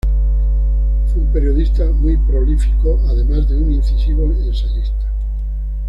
Fue un periodista muy prolífico, además de un incisivo ensayista.